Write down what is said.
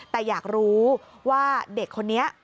แต่อยากรู้ว่าเด็กคนนี้